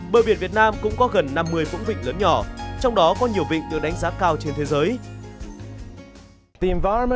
bờ biển việt nam cũng có gần năm mươi vũng vịnh lớn nhỏ trong đó có nhiều vịnh được đánh giá cao trên thế giới